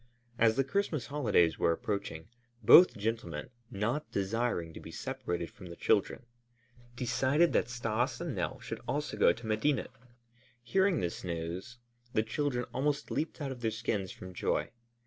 As the Christmas holidays were approaching, both gentlemen, not desiring to be separated from the children, decided that Stas and Nell should also go to Medinet. Hearing this news the children almost leaped out of their skins from joy.